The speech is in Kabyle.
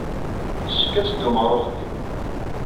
Yessefk ad teddum ɣer uxeddim.